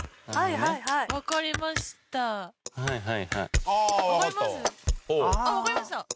はいはいはい。